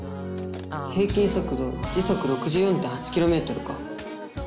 平均速度時速６４．８ｋｍか。